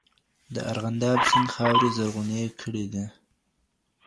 د ارغنداب سیند خاورې زرغونې کړې دي.